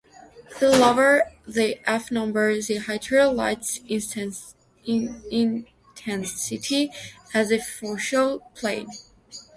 The lower the f-number, the higher light intensity at the focal plane.